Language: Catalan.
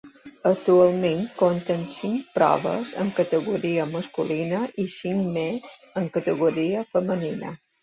Actualment compta amb cinc proves en categoria masculina i cinc més en categoria femenina.